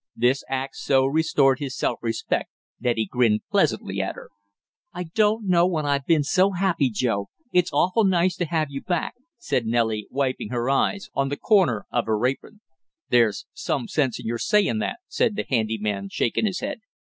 This act so restored his self respect that he grinned pleasantly at her. "I don't know when I been so happy, Joe it's awful nice to have you back!" said Nellie, wiping her eyes on the corner of her apron. "There's some sense in your sayin' that," said the handy man, shaking his head.